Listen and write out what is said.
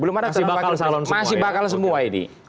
masih bakal semua ini